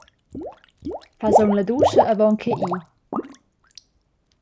Fas aunc la duscha avon che ir?